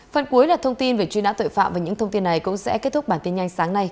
phần cuối là thông tin về truy nã tội phạm và những thông tin này cũng sẽ kết thúc bản tin nhanh sáng nay